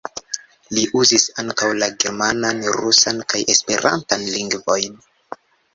Li uzis ankaŭ la germanan, rusan kaj esperantan lingvojn.